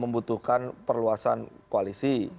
membutuhkan perluasan koalisi